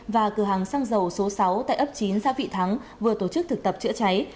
và cửa hàng xăng dầu số sáu tại ấp chín xã vị thắng vừa tổ chức thực tập chữa cháy